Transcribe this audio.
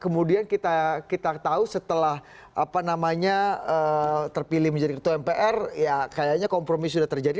kemudian kita tahu setelah terpilih menjadi ketua mpr ya kayaknya kompromi sudah terjadi